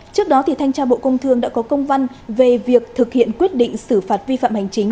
trước đó thanh tra bộ công thương đã có công văn về việc thực hiện quyết định xử phạt vi phạm hành chính